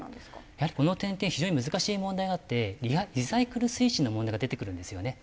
やはりこの点って非常に難しい問題があってリサイクル推進の問題が出てくるんですよね。